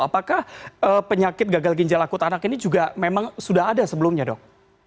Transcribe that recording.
apakah penyakit gagal ginjal akut anak ini juga memang sudah ada sebelumnya dok